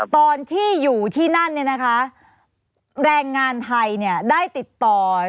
ตอนที่อยู่ที่นั่นแรงงานไทยได้ติดต่อ